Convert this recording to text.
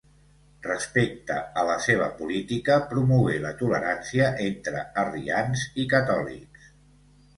Respecte a la seva política, promogué la tolerància entre arrians i catòlics.